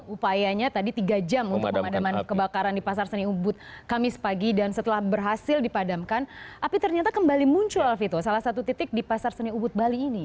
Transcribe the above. upayanya tadi tiga jam untuk pemadaman kebakaran di pasar seni ubud kamis pagi dan setelah berhasil dipadamkan api ternyata kembali muncul alfito salah satu titik di pasar seni ubud bali ini